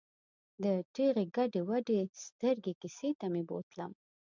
د ټېغې ګډې ودې سترګې کیسې ته مې بوتلم.